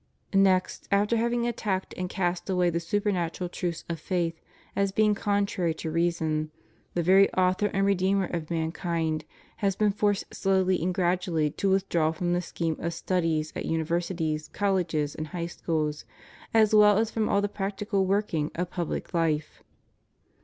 Next, after having attacked and cast away the supernatural truths of faith as being contrary to reason, the very Author and Redeemer of mankind has been forced slowly and gradually to withdraw from the scheme of studies at universities, colleges, and high schools, as well as from all the practical working of public life.